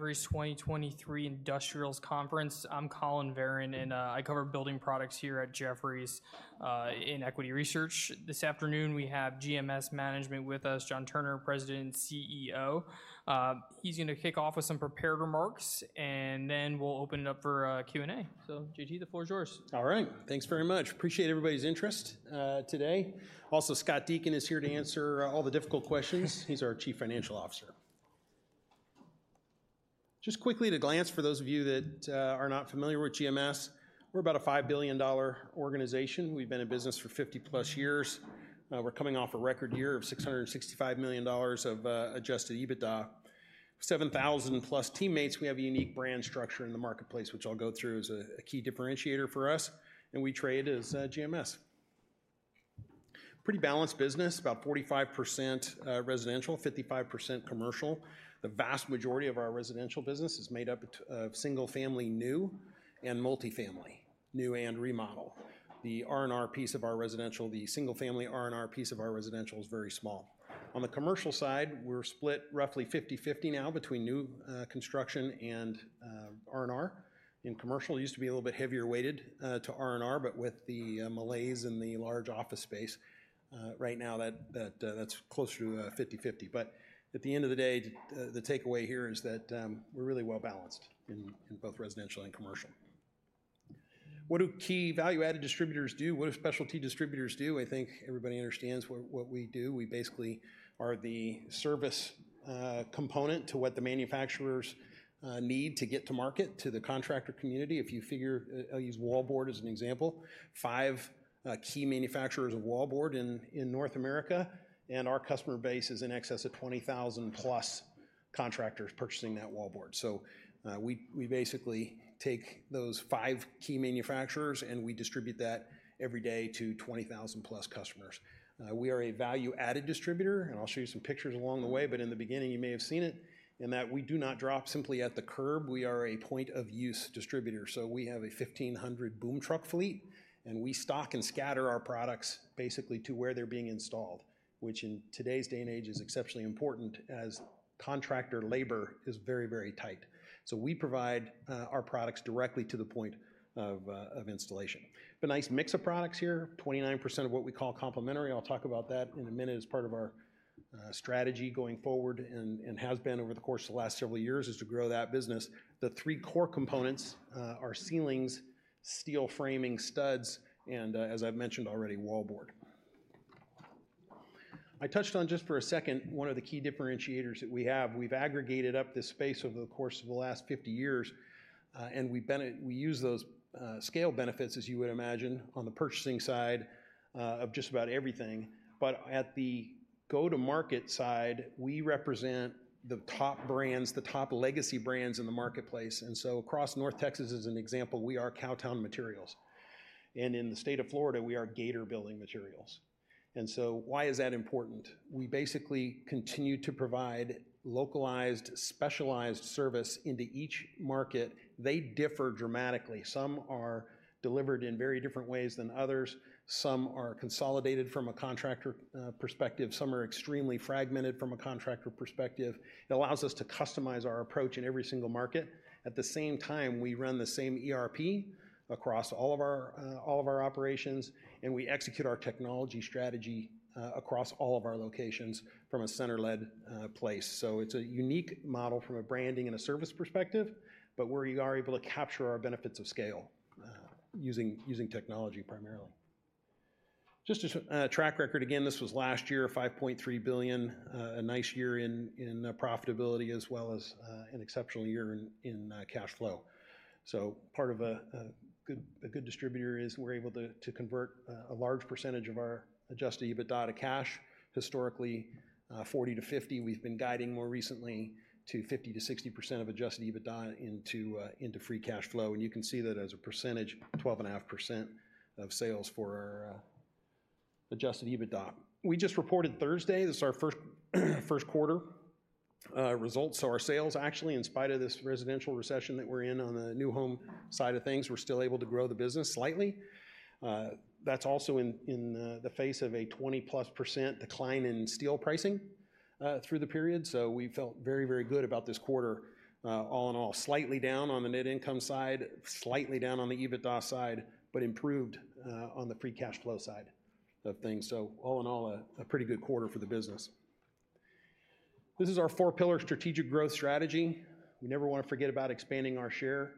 Jefferies' 2023 Industrials Conference. I'm Collin Verron, and I cover building products here at Jefferies in Equity Research. This afternoon, we have GMS management with us, John Turner, President and CEO. He's gonna kick off with some prepared remarks, and then we'll open it up for Q&A. So JT, the floor is yours. All right, thanks very much. Appreciate everybody's interest today. Also, Scott Deakin is here to answer all the difficult questions. He's our Chief Financial Officer. Just quickly at a glance, for those of you that are not familiar with GMS, we're about a $5 billion organization. We've been in business for 50+ years. We're coming off a record year of $665 million of Adjusted EBITDA. 7,000+ teammates. We have a unique brand structure in the marketplace, which I'll go through, is a, a key differentiator for us, and we trade as GMS. Pretty balanced business, about 45% residential, 55% commercial. The vast majority of our residential business is made up of single-family new and multifamily, new and remodel. The R&R piece of our residential, the single-family R&R piece of our residential is very small. On the commercial side, we're split roughly 50/50 now between new construction and R&R. In commercial, it used to be a little bit heavier weighted to R&R, but with the malaise in the large office space, right now, that's closer to 50/50. But at the end of the day, the takeaway here is that, we're really well-balanced in both residential and commercial. What do key value-added distributors do? What do specialty distributors do? I think everybody understands what we do. We basically are the service component to what the manufacturers need to get to market to the contractor community. If you figure, I'll use wallboard as an example, five key manufacturers of wallboard in North America, and our customer base is in excess of 20,000+ contractors purchasing that wallboard. So, we basically take those 5 key manufacturers, and we distribute that every day to 20,000-plus customers. We are a value-added distributor, and I'll show you some pictures along the way, but in the beginning, you may have seen it, in that we do not drop simply at the curb. We are a point-of-use distributor. So we have a 1,500 boom truck fleet, and we stock and scatter our products basically to where they're being installed, which in today's day and age is exceptionally important as contractor labor is very, very tight. So we provide our products directly to the point of installation. But nice mix of products here, 29% of what we call complementary. I'll talk about that in a minute as part of our strategy going forward and has been over the course of the last several years, is to grow that business. The three core components are ceilings, steel framing studs, and, as I've mentioned already, wallboard. I touched on, just for a second, one of the key differentiators that we have. We've aggregated up this space over the course of the last 50 years, and we use those scale benefits, as you would imagine, on the purchasing side of just about everything. But at the go-to-market side, we represent the top brands, the top legacy brands in the marketplace, and so across North Texas, as an example, we are Cowtown Materials, and in the state of Florida, we are Gator Building Materials. And so why is that important? We basically continue to provide localized, specialized service into each market. They differ dramatically. Some are delivered in very different ways than others. Some are consolidated from a contractor perspective. Some are extremely fragmented from a contractor perspective. It allows us to customize our approach in every single market. At the same time, we run the same ERP across all of our operations, and we execute our technology strategy across all of our locations from a center-led place. So it's a unique model from a branding and a service perspective, but we are able to capture our benefits of scale using technology primarily. Just as a track record, again, this was last year, $5.3 billion. A nice year in profitability, as well as an exceptional year in cash flow. So part of a good distributor is we're able to convert a large percentage of our adjusted EBITDA to cash. Historically, 40-50%. We've been guiding more recently to 50-60% of adjusted EBITDA into free cash flow, and you can see that as a percentage, 12.5% of sales for our adjusted EBITDA. We just reported Thursday, this is our first quarter results. So our sales, actually, in spite of this residential recession that we're in on the new home side of things, we're still able to grow the business slightly. That's also in the face of a 20+% decline in steel pricing through the period. So we felt very, very good about this quarter, all in all. Slightly down on the net income side, slightly down on the EBITDA side, but improved on the free cash flow side of things. So all in all, a pretty good quarter for the business. This is our four-pillar strategic growth strategy. We never wanna forget about expanding our share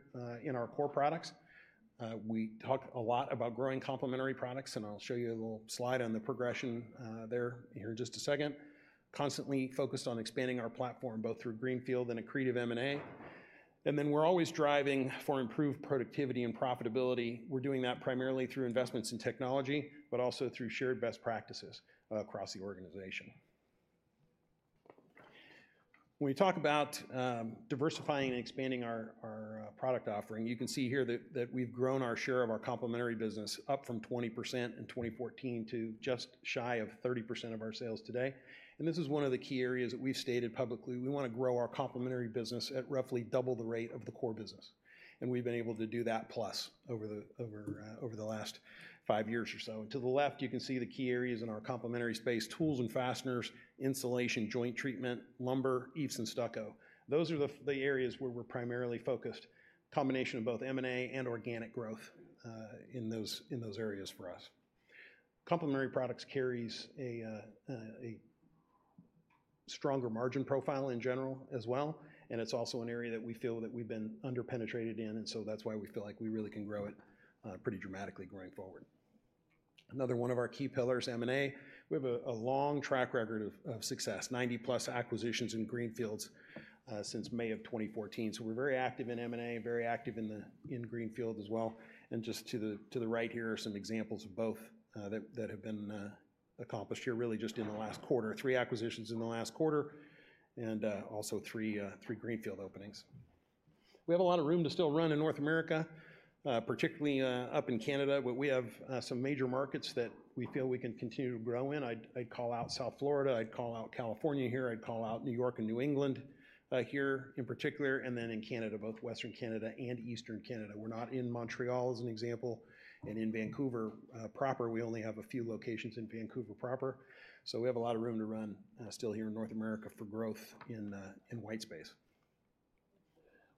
in our core products. We talk a lot about growing complementary products, and I'll show you a little slide on the progression there here in just a second. Constantly focused on expanding our platform, both through greenfield and accretive M&A, and then we're always driving for improved productivity and profitability. We're doing that primarily through investments in technology, but also through shared best practices across the organization. When we talk about diversifying and expanding our product offering, you can see here that we've grown our share of our complementary business up from 20% in 2014 to just shy of 30% of our sales today, and this is one of the key areas that we've stated publicly. We wanna grow our complementary business at roughly double the rate of the core business, and we've been able to do that plus over the last 5 years or so. To the left, you can see the key areas in our complementary space: tools and fasteners, insulation, joint treatment, lumber, EIFS and stucco. Those are the areas where we're primarily focused, combination of both M&A and organic growth in those areas for us. Complementary products carries a... stronger margin profile in general as well, and it's also an area that we feel that we've been under-penetrated in, and so that's why we feel like we really can grow it pretty dramatically going forward. Another one of our key pillars, M&A. We have a long track record of success, 90+ acquisitions and greenfields since May of 2014. So we're very active in M&A, very active in greenfield as well. And just to the right here are some examples of both that have been accomplished here really just in the last quarter. Three acquisitions in the last quarter and also three greenfield openings. We have a lot of room to still run in North America, particularly, up in Canada, where we have some major markets that we feel we can continue to grow in. I'd, I'd call out South Florida, I'd call out California here, I'd call out New York and New England, here in particular, and then in Canada, both Western Canada and Eastern Canada. We're not in Montreal, as an example, and in Vancouver, proper, we only have a few locations in Vancouver proper. So we have a lot of room to run, still here in North America for growth in white space.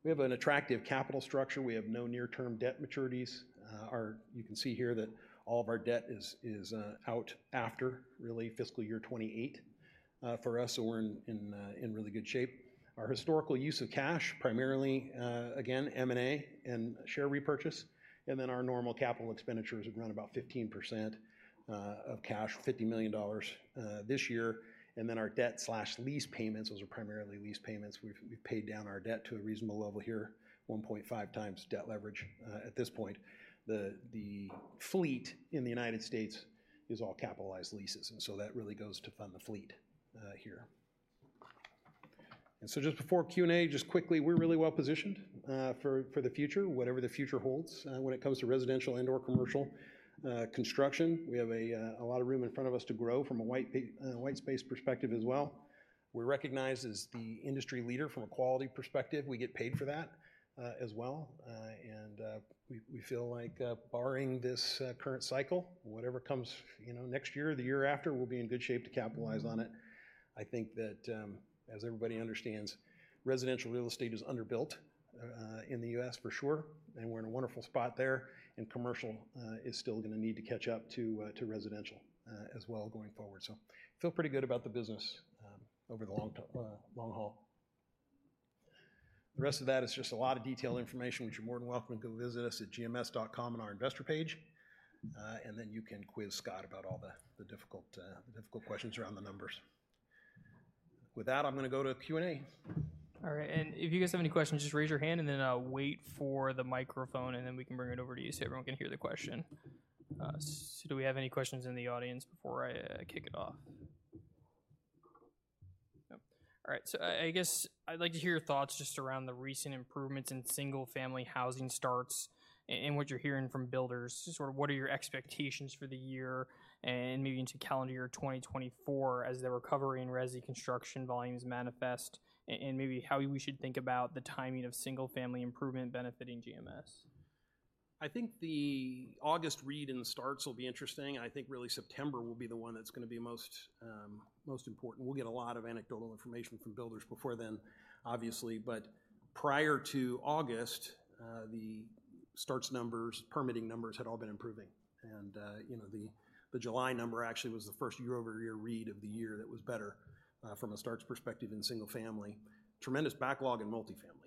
We have an attractive capital structure. We have no near-term debt maturities. Our... You can see here that all of our debt is out after fiscal year 2028 for us, so we're in really good shape. Our historical use of cash, primarily again, M&A and share repurchase, and then our normal capital expenditures have run about 15% of cash, $50 million this year. And then our debt slash lease payments, those are primarily lease payments. We've paid down our debt to a reasonable level here, 1.5 times debt leverage at this point. The fleet in the United States is all capitalized leases, and so that really goes to fund the fleet here. And so just before Q&A, just quickly, we're really well positioned for the future, whatever the future holds, when it comes to residential and/or commercial construction. We have a lot of room in front of us to grow from a white space perspective as well. We're recognized as the industry leader from a quality perspective. We get paid for that as well. We feel like, barring this current cycle, whatever comes, you know, next year or the year after, we'll be in good shape to capitalize on it. I think that, as everybody understands, residential real estate is underbuilt in the U.S. for sure, and we're in a wonderful spot there, and commercial is still gonna need to catch up to residential as well, going forward. So feel pretty good about the business over the long haul. The rest of that is just a lot of detailed information, which you're more than welcome to go visit us at gms.com on our investor page. And then you can quiz Scott about all the difficult questions around the numbers. With that, I'm gonna go to Q&A. All right, and if you guys have any questions, just raise your hand and then wait for the microphone, and then we can bring it over to you so everyone can hear the question. So do we have any questions in the audience before I kick it off? No. All right, so I guess I'd like to hear your thoughts just around the recent improvements in single-family housing starts and what you're hearing from builders. Just sort of what are your expectations for the year and maybe into calendar year 2024 as the recovery in resi construction volumes manifest, and maybe how we should think about the timing of single-family improvement benefiting GMS? I think the August read in the starts will be interesting, and I think really September will be the one that's gonna be most, most important. We'll get a lot of anecdotal information from builders before then, obviously, but prior to August, the starts numbers, permitting numbers had all been improving. And, you know, the July number actually was the first year-over-year read of the year that was better, from a starts perspective in single-family. Tremendous backlog in multifamily.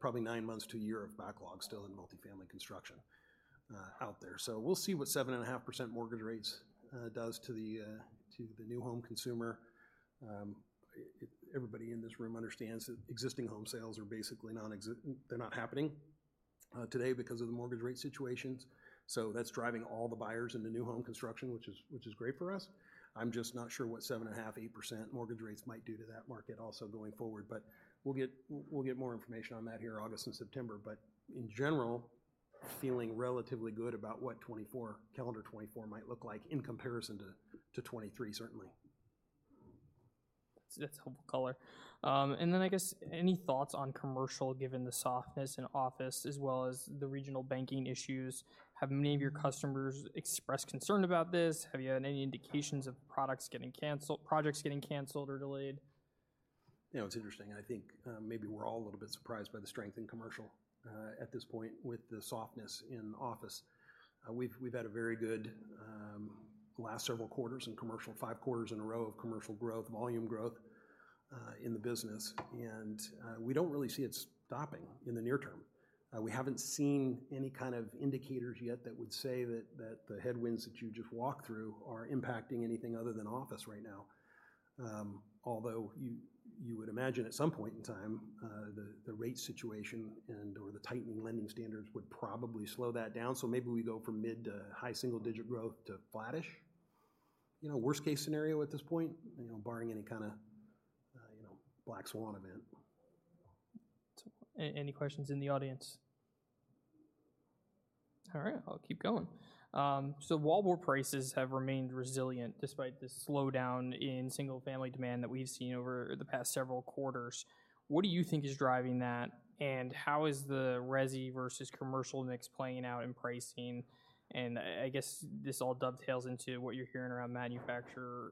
Probably nine months to a year of backlog still in multifamily construction, out there. So we'll see what 7.5% mortgage rates does to the, to the new home consumer. Everybody in this room understands that existing home sales are basically they're not happening, today because of the mortgage rate situations. So that's driving all the buyers into new home construction, which is great for us. I'm just not sure what 7.5%-8% mortgage rates might do to that market also going forward. But we'll get more information on that in August and September. But in general, feeling relatively good about what 2024, calendar 2024 might look like in comparison to 2023 certainly. That's, that's helpful color. And then I guess any thoughts on commercial, given the softness in office as well as the regional banking issues? Have many of your customers expressed concern about this? Have you had any indications of products getting canceled - projects getting canceled or delayed? You know, it's interesting. I think, maybe we're all a little bit surprised by the strength in commercial, at this point, with the softness in office. We've had a very good, last several quarters in commercial, five quarters in a row of commercial growth, volume growth, in the business, and, we don't really see it stopping in the near term. We haven't seen any kind of indicators yet that would say that the headwinds that you just walked through are impacting anything other than office right now. Although you would imagine at some point in time, the rate situation and/or the tightening lending standards would probably slow that down. So maybe we go from mid to high single-digit growth to flattish, you know, worst-case scenario at this point, you know, barring any kind of, you know, black swan event. So any questions in the audience? All right, I'll keep going. So wallboard prices have remained resilient despite the slowdown in single-family demand that we've seen over the past several quarters. What do you think is driving that, and how is the resi versus commercial mix playing out in pricing? And I guess this all dovetails into what you're hearing around manufacturer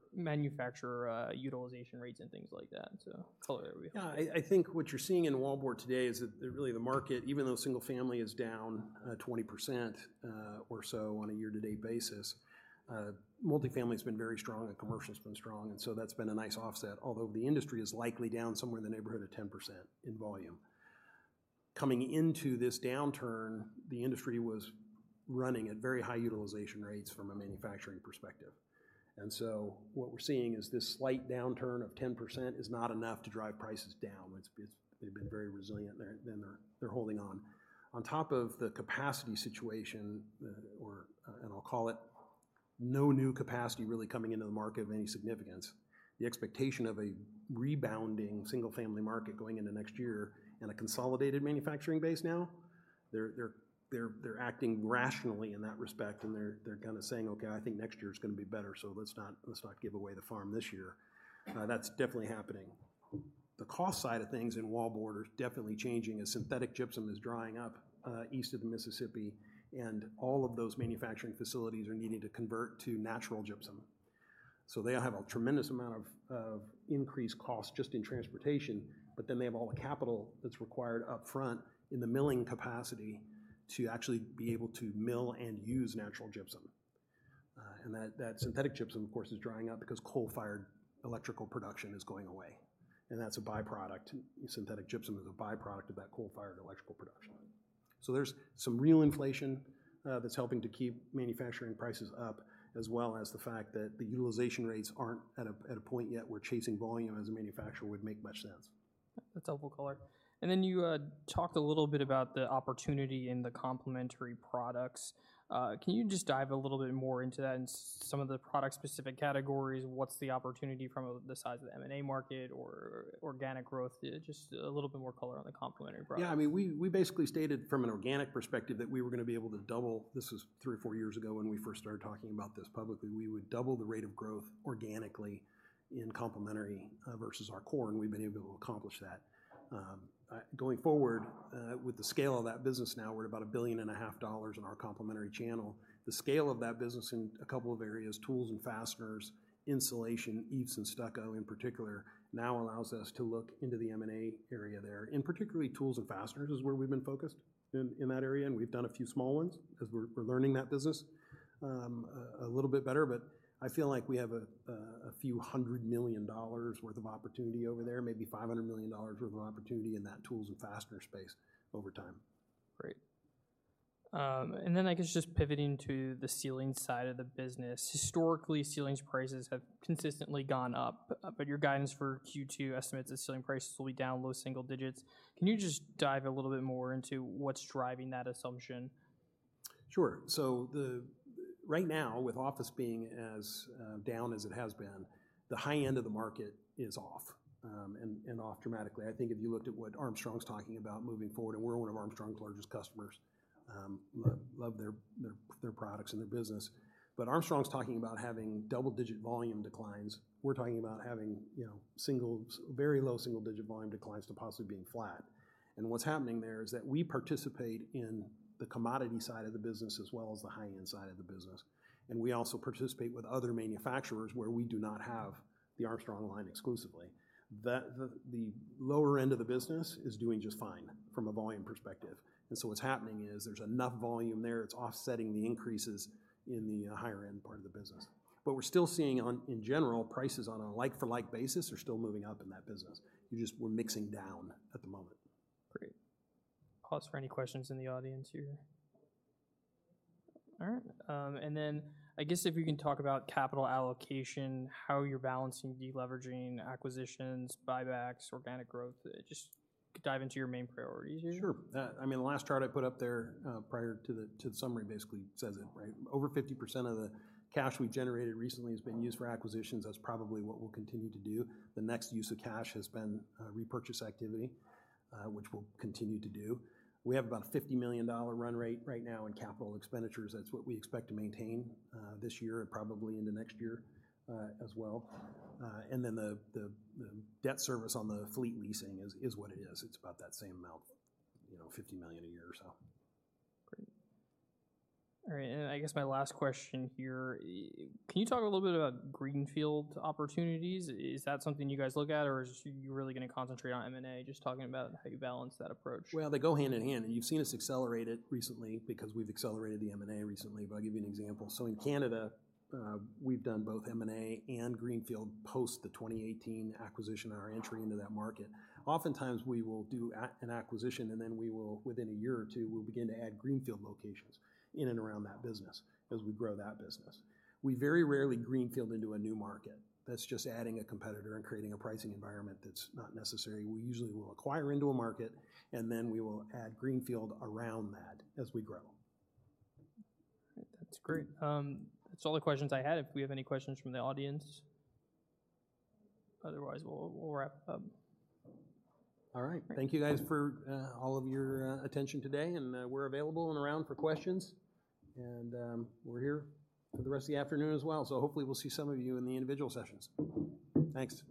utilization rates and things like that, so color there we go. Yeah, I think what you're seeing in wallboard today is that really the market, even though single-family is down 20% or so on a year-to-date basis, multifamily has been very strong, and commercial has been strong, and so that's been a nice offset, although the industry is likely down somewhere in the neighborhood of 10% in volume. Coming into this downturn, the industry was running at very high utilization rates from a manufacturing perspective. And so what we're seeing is this slight downturn of 10% is not enough to drive prices down. It's, they've been very resilient there, and they're holding on. On top of the capacity situation, and I'll call it, no new capacity really coming into the market of any significance, the expectation of a rebounding single-family market going into next year and a consolidated manufacturing base now, they're acting rationally in that respect, and they're kinda saying: Okay, I think next year is gonna be better, so let's not, let's not give away the farm this year. That's definitely happening. The cost side of things in wallboard is definitely changing, as synthetic gypsum is drying up east of the Mississippi, and all of those manufacturing facilities are needing to convert to natural gypsum. So they have a tremendous amount of increased costs just in transportation, but then they have all the capital that's required upfront in the milling capacity to actually be able to mill and use natural gypsum. And that synthetic gypsum, of course, is drying out because coal-fired electrical production is going away, and that's a byproduct. Synthetic gypsum is a byproduct of that coal-fired electrical production. So there's some real inflation that's helping to keep manufacturing prices up, as well as the fact that the utilization rates aren't at a point yet where chasing volume as a manufacturer would make much sense. That's helpful color. And then you talked a little bit about the opportunity in the complementary products. Can you just dive a little bit more into that and some of the product-specific categories? What's the opportunity from a the size of the M&A market or organic growth? Just a little bit more color on the complementary products. Yeah, I mean, we basically stated from an organic perspective that we were gonna be able to double. This was three or four years ago when we first started talking about this publicly. We would double the rate of growth organically in complementary versus our core, and we've been able to accomplish that. Going forward, with the scale of that business now, we're at about $1.5 billion in our complementary channel. The scale of that business in a couple of areas, tools and fasteners, insulation, EIFS and stucco, in particular, now allows us to look into the M&A area there. And particularly, tools and fasteners is where we've been focused in that area, and we've done a few small ones because we're learning that business a little bit better. But I feel like we have $a few hundred million worth of opportunity over there, maybe $500 million worth of opportunity in that tools and fasteners space over time. Great. And then I guess just pivoting to the ceiling side of the business. Historically, ceiling prices have consistently gone up, but your guidance for Q2 estimates that ceiling prices will be down low single digits. Can you just dive a little bit more into what's driving that assumption? Sure. So right now, with office being as down as it has been, the high end of the market is off, and off dramatically. I think if you looked at what Armstrong's talking about moving forward, and we're one of Armstrong's largest customers, love their products and their business. But Armstrong's talking about having double-digit volume declines. We're talking about having, you know, single, very low single-digit volume declines to possibly being flat. And what's happening there is that we participate in the commodity side of the business, as well as the high-end side of the business, and we also participate with other manufacturers where we do not have the Armstrong line exclusively. The lower end of the business is doing just fine from a volume perspective. And so what's happening is there's enough volume there, it's offsetting the increases in the higher end part of the business. But we're still seeing. In general, prices on a like-for-like basis are still moving up in that business. We just, we're mixing down at the moment. Great. Pause for any questions in the audience here. All right, and then I guess if you can talk about capital allocation, how you're balancing deleveraging, acquisitions, buybacks, organic growth. Just dive into your main priorities here. Sure. I mean, the last chart I put up there, prior to the summary basically says it, right? Over 50% of the cash we generated recently has been used for acquisitions. That's probably what we'll continue to do. The next use of cash has been repurchase activity, which we'll continue to do. We have about a $50 million run rate right now in capital expenditures. That's what we expect to maintain this year and probably into next year, as well. And then the debt service on the fleet leasing is what it is. It's about that same amount, you know, $50 million a year or so. Great. All right, and I guess my last question here, can you talk a little bit about greenfield opportunities? Is that something you guys look at, or is just, you're really gonna concentrate on M&A? Just talking about how you balance that approach. Well, they go hand in hand. You've seen us accelerate it recently because we've accelerated the M&A recently, but I'll give you an example. So in Canada, we've done both M&A and greenfield post the 2018 acquisition, our entry into that market. Oftentimes, we will do an acquisition, and then we will, within a year or two, we'll begin to add greenfield locations in and around that business as we grow that business. We very rarely greenfield into a new market. That's just adding a competitor and creating a pricing environment that's not necessary. We usually will acquire into a market, and then we will add greenfield around that as we grow. That's great. That's all the questions I had. If we have any questions from the audience? Otherwise, we'll wrap up. All right. Thank you, guys, for all of your attention today, and we're available and around for questions. And, we're here for the rest of the afternoon as well, so hopefully we'll see some of you in the individual sessions. Thanks.